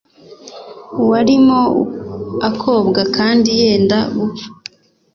Warimo akobwa kandi yenda gupfa.